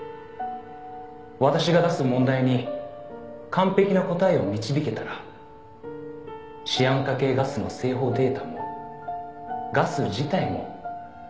「私が出す問題に完璧な答えを導けたらシアン化系ガスの製法データもガス自体も全て破棄しよう」